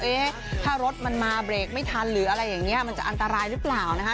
เอ๊ะถ้ารถมันมาเบรกไม่ทันหรืออะไรอย่างนี้มันจะอันตรายหรือเปล่านะคะ